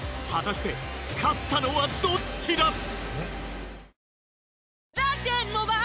果たして勝ったのはどっちだ！？